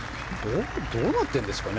どうなってるんですかね。